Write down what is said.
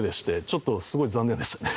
ちょっとすごい残念でしたね。